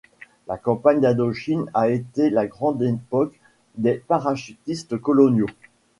La campagne d’Indochine a été la grande époque des parachutistes coloniaux.